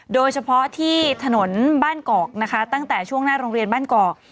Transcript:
โดยเฉพาะที่ถนนบ้านกอกนะคะตั้งแต่ช่วงหน้าโรงเรียนบ้านกอก